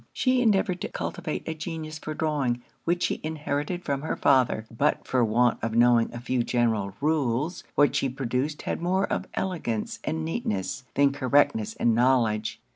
She endeavoured to cultivate a genius for drawing, which she inherited from her father; but for want of knowing a few general rules, what she produced had more of elegance and neatness than correctness and knowledge.